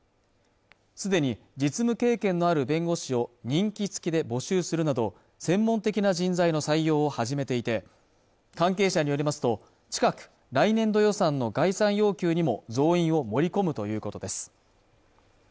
すでに実務経験のある弁護士を任期付きで募集するなど専門的な人材の採用を始めていて関係者によりますと近く来年度予算の概算要求にも増員を盛り込むということです